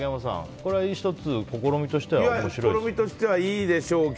これは１つ、試みとしては面白いですよね。